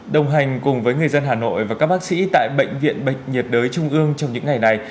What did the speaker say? đồng hành cùng với người dân hà nội và các bác sĩ tại bệnh viện bệnh nhiệt đới trung ương trong những ngày này